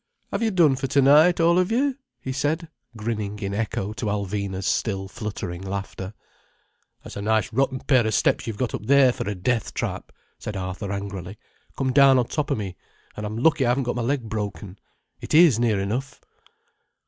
"Have you done for tonight, all of you?" he said, grinning in echo to Alvina's still fluttering laughter. "That's a nice rotten pair of steps you've got up there for a death trap," said Arthur angrily. "Come down on top of me, and I'm lucky I haven't got my leg broken. It is near enough."